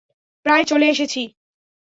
প্রায় চলে এসেছি।